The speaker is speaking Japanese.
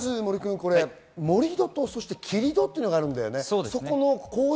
盛り土と切り土というのがあるんだよね。